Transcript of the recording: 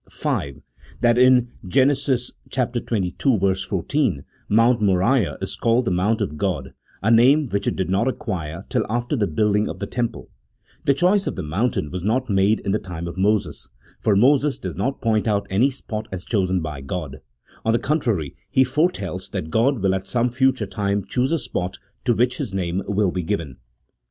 V. That in Genesis xxii. 14 Mount Moriah is called the mount of God, 1 a name which it did not acquire till after the building of the Temple ; the choice of the mountain was not made in the time of Moses, for Moses does not point out any spot as chosen by God ; on the contrary, he foretells that God will at some future time choose a spot to which his name will be given.